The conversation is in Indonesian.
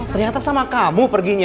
ternyata sama kamu perginya